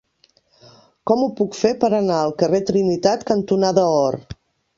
Com ho puc fer per anar al carrer Trinitat cantonada Or?